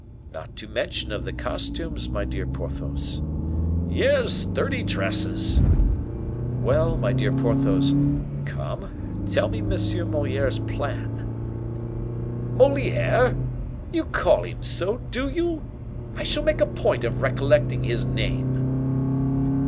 "Not to mention of the costumes, my dear Porthos." "Yes, thirty dresses." "Well, my dear Porthos, come, tell me M. Moliere's plan." "Moliere? You call him so, do you? I shall make a point of recollecting his name."